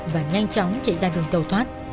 và nhanh chóng chạy ra đường tàu thoát